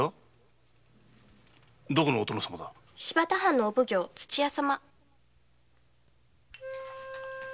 新発田藩の御奉行土屋様。